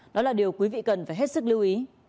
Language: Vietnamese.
đó là điều quý vị cần phải hết sức lưu ý